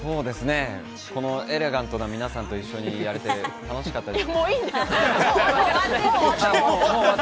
このエレガントな皆さんと一緒に楽しかったです。